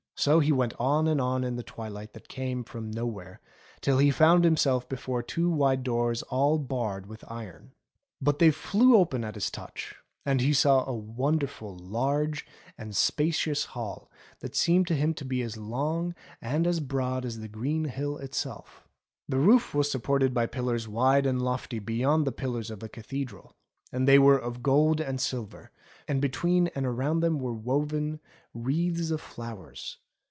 So he went on and on in the twilight that came from nowhere, till he found himself before two wide doors all barred with iron. But they flew open at his touch and 284 ENGLISH FAIRY TALES he saw a wonderful, large, and spacious hall that seemed to him to be as long and as broad as the green hill itself. The roof was supported by pillars wide and lofty beyond the pillars of a cathedral ; and they were of gold and silver, fretted into foliage, and between and around them were woven wreaths of flowers.